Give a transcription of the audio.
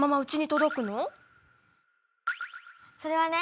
それはね